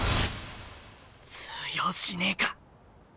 通用しねえか。